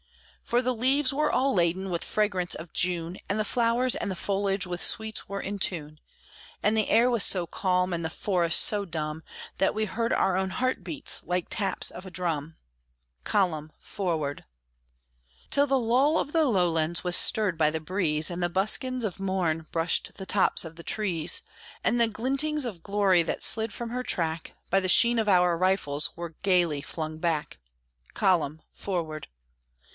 For the leaves were all laden with fragrance of June, And the flowers and the foliage with sweets were in tune; And the air was so calm, and the forest so dumb, That we heard our own heart beats, like taps of a drum "Column! Forward!" Till the lull of the lowlands was stirred by the breeze, And the buskins of morn brushed the tops of the trees, And the glintings of glory that slid from her track By the sheen of our rifles were gayly flung back "Column! Forward!"